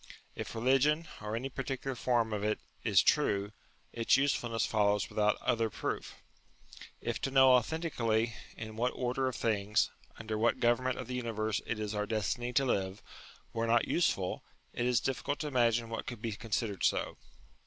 If religion, or any particular form of it, is true, its usefulness follows without other proof. If to know authentically in what order of things, under what government of the universe it is our destiny to live, were not useful, it is difficult to imagine what could be considered so.